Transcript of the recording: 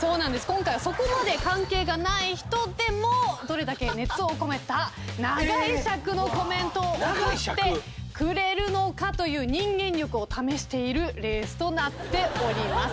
今回はそこまで関係がない人でもどれだけ熱を込めた長い尺のコメントを贈ってくれるのかという人間力を試しているレースとなっております。